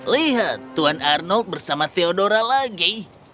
lihat tuan arnold bersama theodora lagi